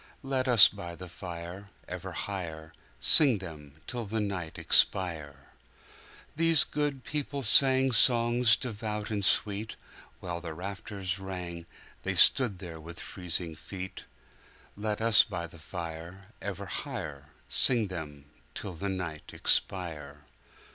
Let us by the fire Ever higherSing them till the night expire! These good people sang Songs devout and sweet; While the rafters rang, There they stood with freezing feet. Let us by the fire Ever higherSing them till the night expire!